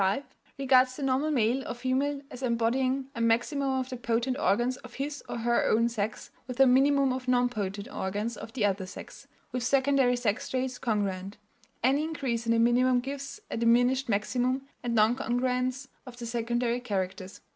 1355) regards the normal male or female as embodying a maximum of the potent organs of his or her own sex with a minimum of non potent organs of the other sex, with secondary sex traits congruent. Any increase in the minimum gives a diminished maximum and non congruence of the secondary characters.